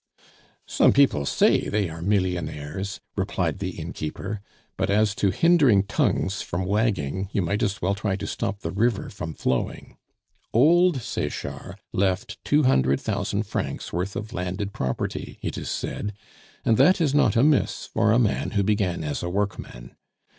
"Some people say they are millionaires," replied the innkeeper. "But as to hindering tongues from wagging, you might as well try to stop the river from flowing. Old Sechard left two hundred thousand francs' worth of landed property, it is said; and that is not amiss for a man who began as a workman.